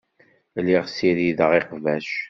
Lliɣ ssirideɣ iqbac.